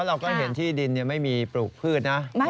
ที่ถือที่ดินเนี่ยไม่มีปลูกพืชนะ